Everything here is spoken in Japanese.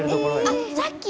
あさっき！